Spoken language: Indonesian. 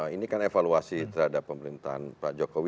ini kan evaluasi terhadap pemerintahan pak jokowi